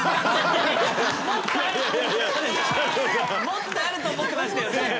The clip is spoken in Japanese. もっとあると思ってましたよね。